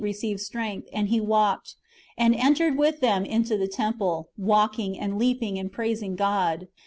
299 received strength ; and he walked, and entered with them into the temple, walking, and leaping, and praising God."